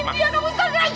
kenapa kamu biarin dia ilang